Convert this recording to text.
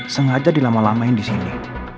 sengaja dilama lamain disini